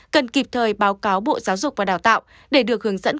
cần kịp thời báo cáo bộ giáo dục và đào tạo để được hướng dẫn